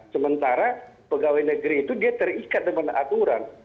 sementara pegawai negeri itu dia terikat dengan aturan